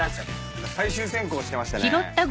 今最終選考してましてね